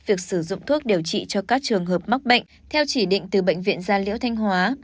việc sử dụng thuốc điều trị cho các trường hợp mắc bệnh theo chỉ định từ bệnh viện gia liễu thanh hóa